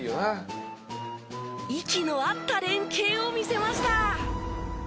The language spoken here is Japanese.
息の合った連係を見せました。